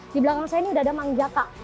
di belakang saya ini udah ada mangjaka